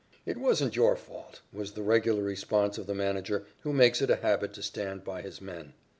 "It wasn't your fault," was the regular response of the manager who makes it a habit to stand by his men.